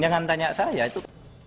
jangan tanya saya itu